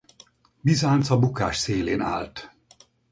Bizánc a bukás szélén állt.